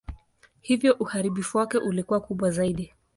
Hivyo uharibifu wake ulikuwa kubwa zaidi.